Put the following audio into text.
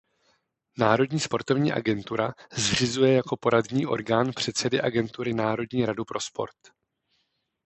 Národní sportovní agentura zřizuje jako poradní orgán předsedy agentury Národní radu pro sport.